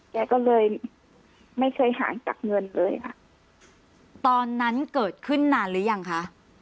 แกก็เลยไม่เคยห่างจากเงินเลยค่ะตอนนั้นเกิดขึ้นนานหรือยังคะ